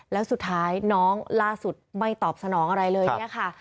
แล้วสุดท้ายน้องล่าสุดไม่ตอบสนองอะไรเลยเนี่ยค่ะ